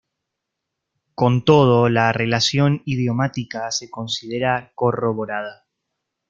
Con todo, la relación idiomática se considera corroborada.